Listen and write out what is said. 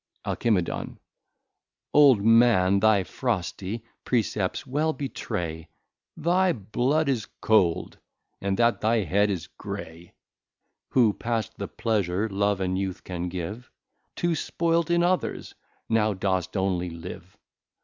Alcim. Old Man, thy frosty Precepts well betray Thy Blood is cold, and that thy Head is grey: Who past the Pleasure Love and Youth can give, To spoyl't in others, now dost only live.